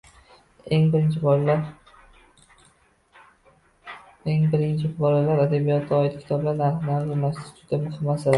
eng birinchi, bolalar adabiyotiga oid kitoblar narxini arzonlashtirish juda muhim masala.